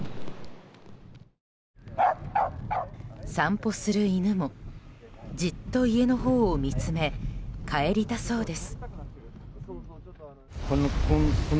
散歩する犬も、じっと家のほうを見つめ帰りたそうです。